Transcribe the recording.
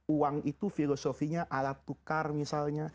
uang itu filosofinya alat tukar misalnya